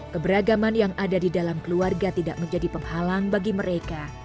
keberagaman yang ada di dalam keluarga tidak menjadi penghalang bagi mereka